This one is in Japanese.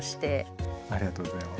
ありがとうございます。